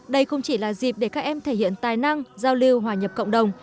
đây không chỉ là dịp để các em thể hiện tài năng giao lưu hòa nhập cộng đồng